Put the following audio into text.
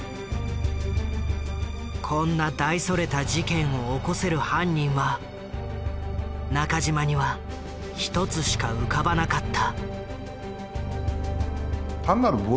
こんな大それた事件を起こせる犯人は中島には１つしか浮かばなかった。